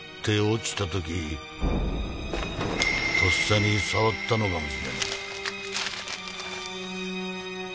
とっさに触ったのかもしれん。